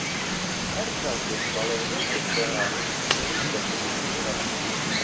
ھەر کاتێک بەڵێنێکت دا، پێویستە بیبەیتە سەر.